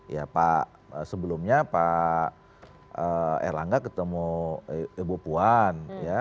ya pak sebelumnya pak erlangga ketemu ibu puan